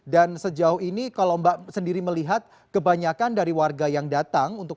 dan sejauh ini kalau mbak sendiri melihat kebanyakan dari warga yang datang untuk